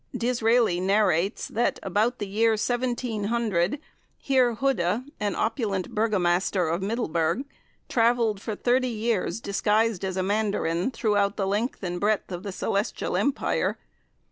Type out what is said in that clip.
D'Israeli narrates that, about the year 1700, Heer Hudde, an opulent burgomaster of Middleburgh, travelled for 30 years disguised as a mandarin, throughout the length and breadth of the Celestial Empire.